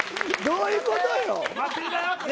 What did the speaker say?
どういうことよ。